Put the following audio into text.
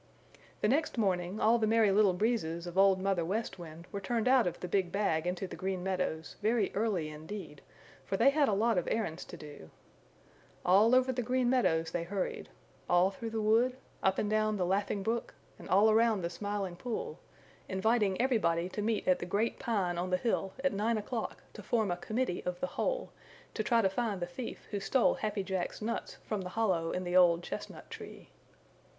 The next morning all the Merry Little Breezes of Old Mother West Wind were turned out of the big bag into the Green Meadows very early indeed, for they had a lot of errands to do. All over the Green Meadows they hurried, all through the wood, up and down the Laughing Brook and all around the Smiling Pool, inviting everybody to meet at the Great Pine on the hill at nine o'clock to form a committee of the whole to try to find the thief who stole Happy Jack's nuts from the hollow in the old chestnut tree.